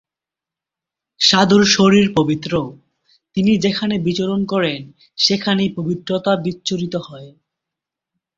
সাধুর শরীর পবিত্র, তিনি যেখানে বিচরণ করেন, সেখানেই পবিত্রতা বিচ্ছুরিত হয়।